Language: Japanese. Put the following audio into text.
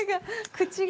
◆口が。